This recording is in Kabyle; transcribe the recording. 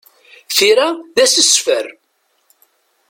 Tira d assesfer.